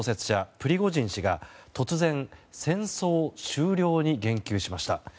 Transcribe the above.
プリゴジン氏が突然、戦争終了に言及しました。